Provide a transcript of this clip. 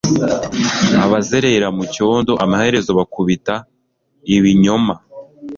Abazerera mucyondo amaherezo bakubita ibinyoma